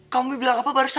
kamu bilang apa barusan